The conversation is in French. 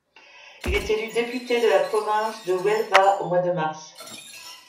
Il est élu député de la province de Huelva au mois de mars.